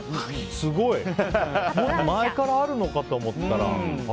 すごい。前からあるのかと思ったら。